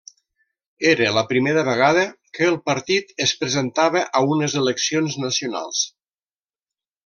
Era la primera vegada que el partit es presentava a unes eleccions nacionals.